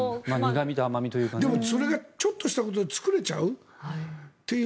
でも、それがちょっとしたことで作れちゃうという。